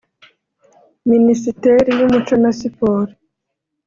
Minisiteri y’Umuco na Siporo